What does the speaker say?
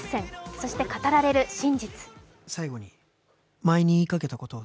そして語られる真実。